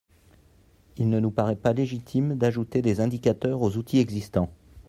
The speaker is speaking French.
Il ne nous paraît pas légitime d’ajouter des indicateurs aux outils existants.